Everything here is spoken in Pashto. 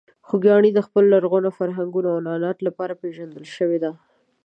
خوږیاڼي د خپلو لرغونو فرهنګونو او عنعناتو لپاره پېژندل شوې ده.